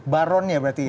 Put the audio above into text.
baronnya berarti ya